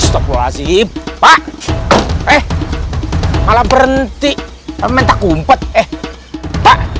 astagfirullahaladzim pak eh malah berhenti mementak kumpet eh pak